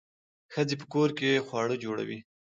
ښځې په کور کې خواړه جوړوي.